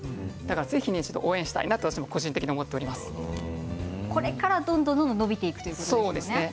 ぜひ応援したいとどんどん伸びていくということですね。